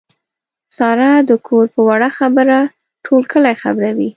ساره د کور په وړه خبره ټول کلی خبروي.